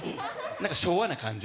なんか昭和な感じ？